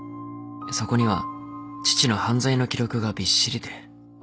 そこには父の犯罪の記録がびっしりで。